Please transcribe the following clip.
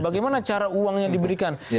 bagaimana cara uangnya diberikan